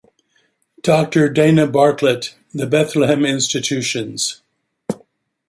Doctor Dana Bartlett, the Bethlehem Institutions.